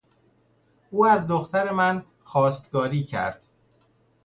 او از دختر من خواستگاری کرد.